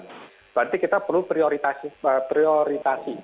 berarti kita perlu prioritasi